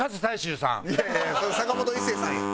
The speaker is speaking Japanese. いやいやそれ坂本一生さんや。